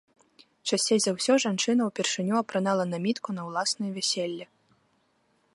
Часцей за ўсё жанчына ўпершыню апранала намітку на ўласнае вяселле.